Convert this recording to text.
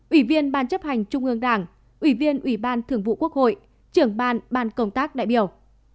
ủy viên ban chấp hành trung ương đảng ủy viên ủy ban thường vụ quốc hội trưởng ban ban công tác đại biểu